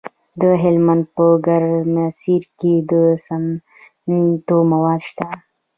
د هلمند په ګرمسیر کې د سمنټو مواد شته.